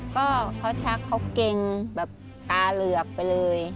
ก็เขาชักเขาเก่งแบบตาเหลือกไปเลย